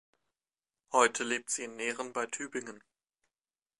Heute lebt sie in Nehren bei Tübingen.